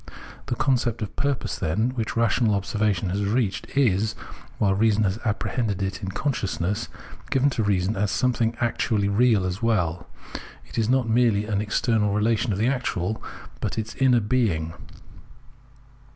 The concept of purpose then, which rational observation has reached, is, while reason has apprehended it in consciousness, given to reason as something actually real as well ; it is not merely an external relation of the actual, but its inner being.